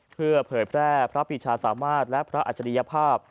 เพื่อเผยแพร่พระปิชาสามารถและพระอัจฉริยภาพ